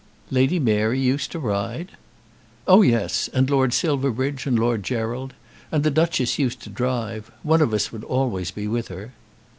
"Lady Mary used to ride?" "Oh yes; and Lord Silverbridge and Lord Gerald. And the Duchess used to drive. One of us would always be with her."